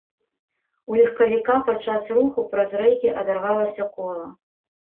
У легкавіка падчас руху праз рэйкі адарвалася кола.